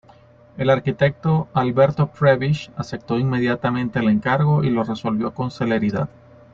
El arquitecto Alberto Prebisch, aceptó inmediatamente el encargo y lo resolvió con celeridad.